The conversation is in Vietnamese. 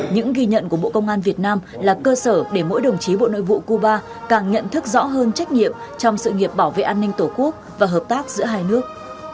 những ghi nhận của bộ công an việt nam là cơ sở để mỗi đồng chí bộ nội vụ cuba càng nhận thức rõ hơn trách nhiệm trong sự nghiệp bảo vệ an ninh tổ quốc và hợp tác giữa hai nước